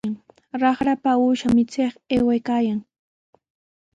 Raqrapa uusha michiq aywaykaayan.